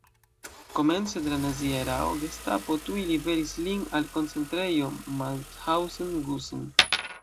Komence de la nazia erao Gestapo tuj liveris lin al Koncentrejo Mauthausen-Gusen.